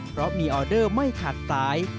เพราะมีออเดอร์ไม่ขาดสาย